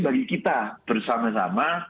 bagi kita bersama sama